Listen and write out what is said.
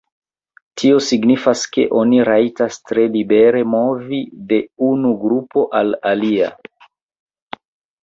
Tio signifas ke oni rajtas tre libere movi de unu grupo al alia.